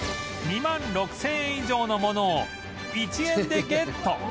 ２万６０００円以上のものを１円でゲット